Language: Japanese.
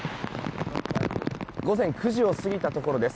午前９時を過ぎたところです。